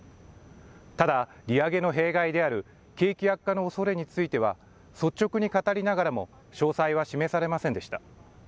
ただ、利上げの弊害である景気悪化のおそれについては、率直に語りながらも、詳細は示されませんでした。